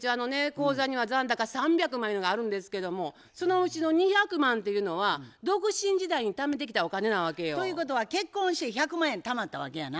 口座には残高３００万ゆうのがあるんですけどもそのうちの２００万っていうのは独身時代にためてきたお金なわけよ。ということは結婚して１００万円たまったわけやな。